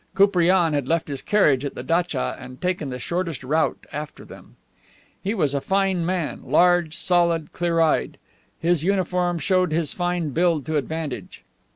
Koupriane had left his carriage at the datcha, and taken the shortest route after them. He was a fine man, large, solid, clear eyed. His uniform showed his fine build to advantage.